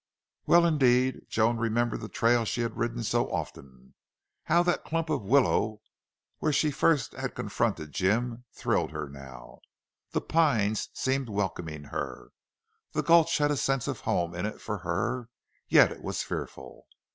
Well indeed Joan remembered the trail she had ridden so often. How that clump of willow where first she had confronted Jim thrilled her now! The pines seemed welcoming her. The gulch had a sense of home in it for her, yet it was fearful.